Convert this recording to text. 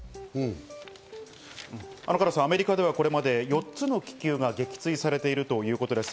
加藤さん、アメリカではこれまで４つの気球が撃墜されているということです。